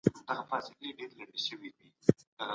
د سوداګرو شبکي څنګه وې؟